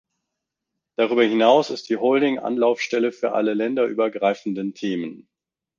Darüber hinaus ist die Holding Anlaufstelle für alle länderübergreifenden Themen.